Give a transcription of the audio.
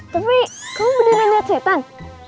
tapi kamu beneran lihat setan